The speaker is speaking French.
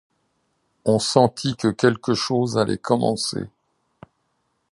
On sentit que quelque chose allait commencer.